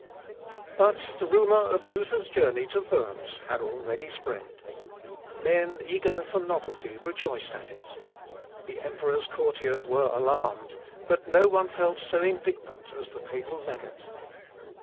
But the rumour of Luther's journey to Worms had already spread. Men eager for novelty rejoiced at it. The emperor's courtiers were alarmed, but no one felt so indignant as the papal legate.